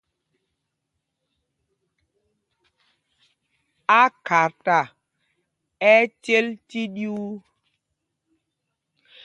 Ákhata ɛ́ ɛ́ cěl tí mɛɗyuu.